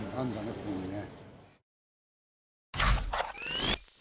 ここにね。